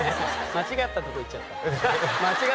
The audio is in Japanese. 間違ったとこ行っちゃった。